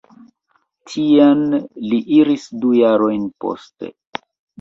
Tien li iris du jarojn poste.